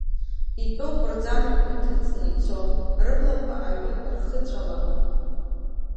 Итәоуп, рӡамҩақәа ҭыҵны ицо, рыблақәа аҩы рхыҵәаланы.